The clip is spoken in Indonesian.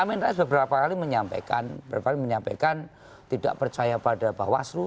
mas isya beberapa kali menyampaikan beberapa kali menyampaikan tidak percaya pada bawaslu